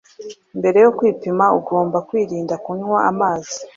mbere yo kwipima ugomba kwirinda kunywa amazi